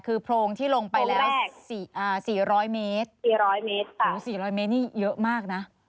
คือโพงที่ลงไปแล้วโพงแรกสี่อ่าสี่ร้อยเมตรสี่ร้อยเมตรค่ะโหสี่ร้อยเมตรนี่เยอะมากนะ